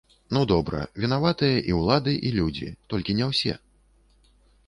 Ну добра, вінаватыя і ўлады, і людзі, толькі не ўсе.